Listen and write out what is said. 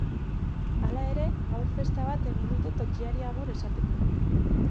Hala ere, gaur festa bat egin dute tokiari agur esateko.